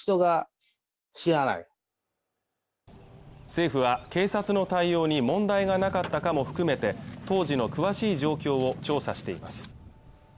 政府は警察の対応に問題がなかったかも含めて当時の詳しい状況を調査しています